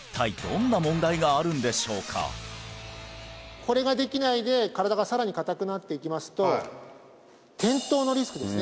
これができないで身体がさらに硬くなっていきますと転倒のリスクですね